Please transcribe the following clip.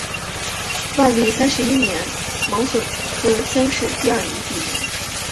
万历三十一年癸卯科乡试第二名举人。